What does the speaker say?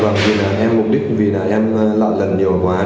dạ vâng em mục đích vì em lợi lận nhiều quá